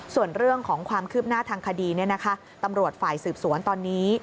ส่วนเรื่องของความคืบหน้าทางคดีตำรวจฝ่ายสืบสวนตอนนี้